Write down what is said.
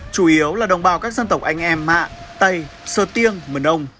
chủ yếu là đồng bào các dân tộc anh em mạ tây sơ tiêng mình âu